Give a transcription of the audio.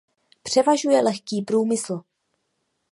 Převažuje lehký průmysl.